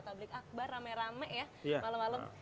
publik akbar rame rame ya malam malam